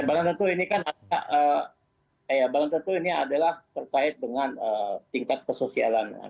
ya barang tentu ini kan adalah terkait dengan tingkat kesosialan